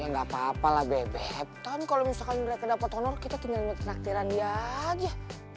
ya gak apa apa lah bebeton kalau misalkan mereka dapat honor kita tinggal nanti naktiran dia aja